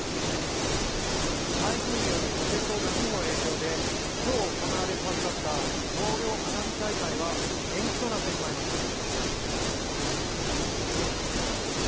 台風による風と波の影響で今日行われるはずだった納涼花火大会は延期となってしまいました。